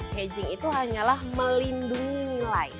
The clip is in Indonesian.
caging itu hanyalah melindungi nilai